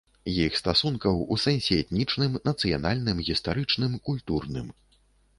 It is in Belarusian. Іх стасункаў у сэнсе этнічным, нацыянальным, гістарычным, культурным.